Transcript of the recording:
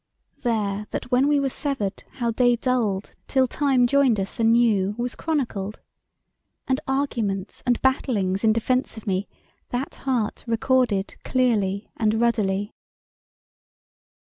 There that when we were severed, how day dulled Till time joined us anew, was chronicled: And arguments and battlings in defence of me That heart recorded clearly and ruddily.